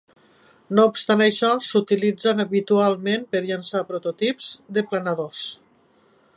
No obstant això, s'utilitza habitualment per llançar prototips de planadors.